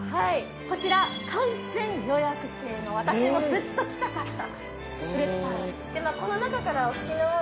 こちら完全予約制の私もずっと来たかったフルーツパーラー。